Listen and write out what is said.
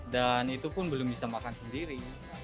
dan itu pun belum bisa makan sendiri